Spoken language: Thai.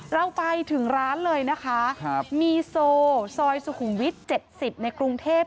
เราไปถึงร้านเลยนะคะมีโซซอยสุขุมวิทย์๗๐ในกรุงเทพ